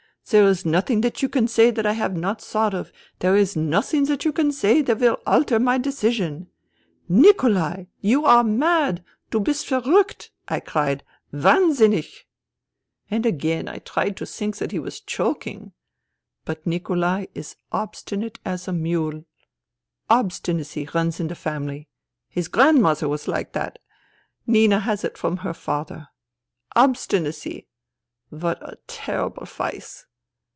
There is nothing that you can say that I have not thought of. There is nothing that you can say that will alter my decision. ...'"' Nikolai ! You are mad I Du hist verruckt !' I cried. ' Wdhnsinnich !*" And again I tried to think that he was joking. But Nikolai is obstinate as a mule. Obstinacy runs in the family. His grandmother was like that. Nina has it from her father. Obstinacy ! What a terrible vice